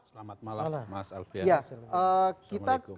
selamat malam mas alfian